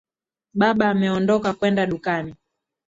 Baba ameondoka kwenda dukani.